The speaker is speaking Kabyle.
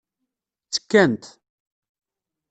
Ttekkant.